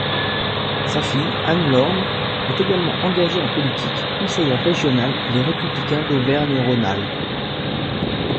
Sa fille, Anne Lorne, est également engagée en politique, conseillère régionale Les Républicains d'Auvergne-Rhône-Alpes.